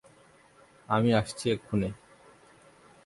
আমি আসছি এক্ষুণি।